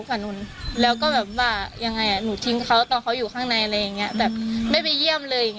มาธนไงอย่างไรหนูทิ้งเขาเขาอยู่ข้างในไม่ไปเยี่ยมเลย